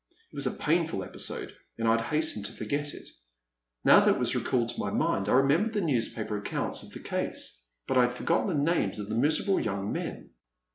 It was a painful episode, and I had hastened to forget it. Now that it was recalled to my mind, I remembered the newspaper accounts of the case, but I had forgotten the names of the miserable young men.